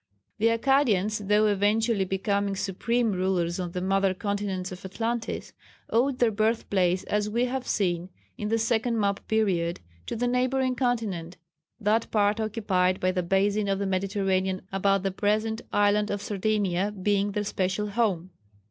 The Akkadians, though eventually becoming supreme rulers on the mother continent of Atlantis, owed their birthplace as we have seen in the second map period, to the neighbouring continent that part occupied by the basin of the Mediterranean about the present island of Sardinia being their special home.